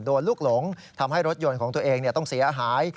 ลูกหลงทำให้รถยนต์ของตัวเองต้องเสียหาย